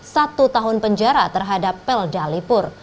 satu tahun penjara terhadap peldalipur